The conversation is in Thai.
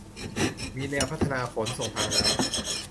มีแนวพัฒนาขนส่งทางน้ำ